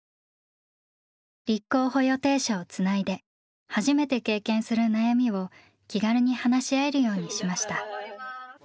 立候補予定者をつないで初めて経験する悩みを気軽に話し合えるようにしました。